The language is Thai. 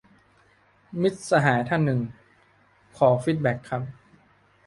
มิตรสหายท่านหนึ่ง : ขอฟีดแบ็กครับ